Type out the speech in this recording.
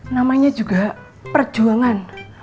namanya juga perjuangan